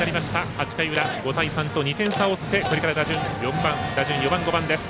８回裏、５対３と２点差を追ってこれから打順４番５番です。